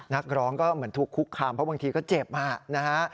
นักร้องก็เหมือนถูกคุกคามเพราะบางทีก็เจ็บนะฮะ